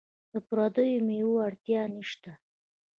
د پردیو میوو اړتیا نشته.